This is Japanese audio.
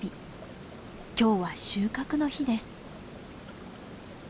今日は収穫の日です。